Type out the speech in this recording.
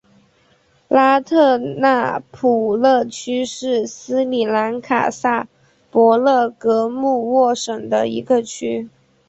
拉特纳普勒区是斯里兰卡萨伯勒格穆沃省的一个区。